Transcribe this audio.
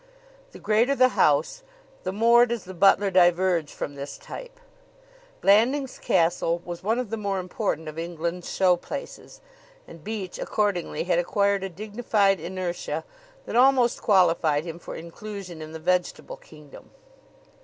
The greater the house the more does the butler diverge from this type. Blandings Castle was one of the more important of England's show places, and Beach accordingly had acquired a dignified inertia that almost qualified him for inclusion in the vegetable kingdom.